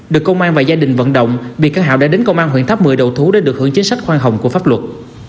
được công an và gia đình vận động bị các hảo đã đến công an huyện tháp một mươi đầu thú để được hưởng chính sách khoan hồng của pháp luật